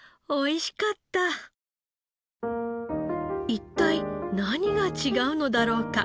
一体何が違うのだろうか。